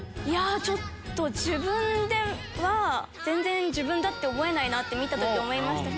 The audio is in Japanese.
ちょっと自分では全然自分だって思えないって見た時思いました。